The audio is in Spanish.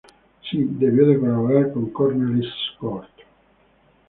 Sí debió de colaborar con Cornelis Cort.